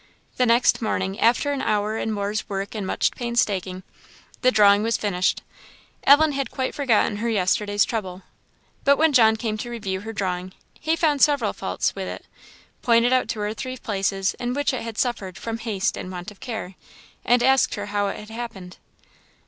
The next morning, after an hour and more's work and much painstaking, the drawing was finished. Ellen had quite forgotten her yesterday's trouble. But when John came to review her drawing, he found several faults with it; pointed out two or three places in which it had suffered from haste and want of care; and asked her how it had happened.